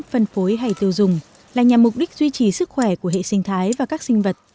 phân phối hay tiêu dùng là nhằm mục đích duy trì sức khỏe của hệ sinh thái và các sinh vật